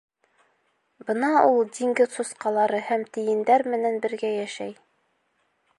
Бына ул диңгеҙ сусҡалары һәм тейендәр менән бергә йәшәй.